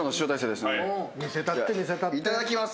では、いただきます。